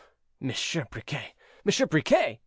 '" "Monsieur Briquet! Monsieur Briquet!"